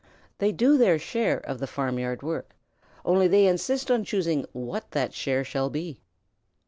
They do their share of the farmyard work, only they insist on choosing what that share shall be.